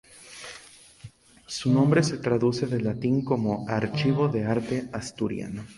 Su nombre se traduce del latín como "Archivo de Arte Asturiano".